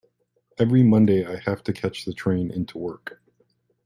Every Monday I have to catch the train into work